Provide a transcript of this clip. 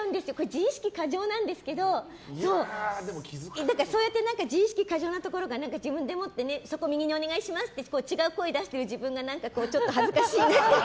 自意識過剰なんですけどそうやって自意識過剰なところが自分でそこ右にお願いしますって違う声を出してる自分が何かちょっと恥ずかしいなと。